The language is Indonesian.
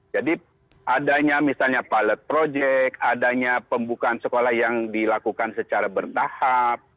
jadi adanya misalnya pilot project adanya pembukaan sekolah yang dilakukan secara bertahap